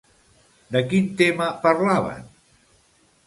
De quin tema parlaven?